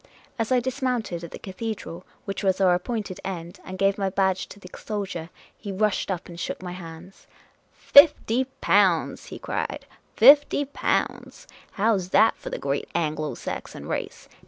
As I dismounted at the cathedral, which was our ap pointed end, and gave my badge to the soldier, he rushed up and shook my hand. '' Fifty pounds !" he cried. '' Fifty pounds ! How 's that for the great Anglo Saxon race